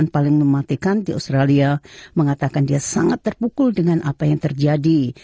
paling mematikan di australia mengatakan dia sangat terpukul dengan apa yang terjadi